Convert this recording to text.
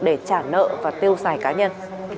để trả nợ và tiêu xài cá nhân